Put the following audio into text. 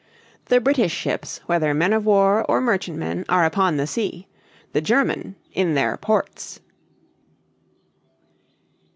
"The British ships, whether men of war or merchantmen, are upon the sea, the German in their ports."